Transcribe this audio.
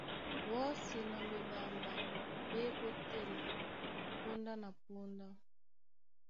Wɔ́si na ɓeɓamɓan ɓá e ótên póndá na póndá.